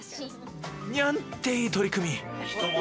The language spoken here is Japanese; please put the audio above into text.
にゃんっていい取り組み。